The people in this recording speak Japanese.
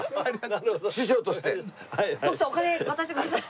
徳さんお金渡してください。